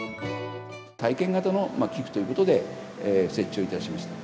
体験型の寄付ということで、設置をいたしました。